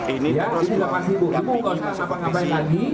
ini tergolong untuk menggabungi musuh musuh kondisi